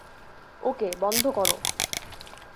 ওকে, বন্ধ করো।